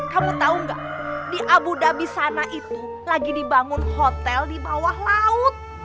kamu tahu nggak di abu dhabi sana itu lagi dibangun hotel di bawah laut